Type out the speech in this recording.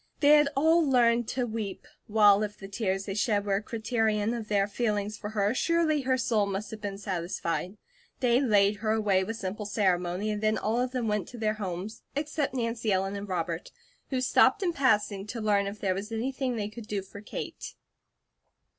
They had all learned to weep; while if the tears they shed were a criterion of their feelings for her, surely her soul must have been satisfied. They laid her away with simple ceremony and then all of them went to their homes, except Nancy Ellen and Robert, who stopped in passing to learn if there was anything they could do for Kate.